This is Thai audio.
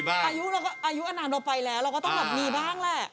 อายุอันนานออกไปแล้วเราก็ต้องแบบมีบ้างแหละ